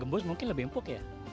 embus mungkin lebih empuk ya